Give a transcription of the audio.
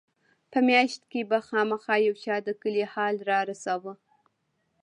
په مياشت کښې به خامخا يو چا د کلي حال رارساوه.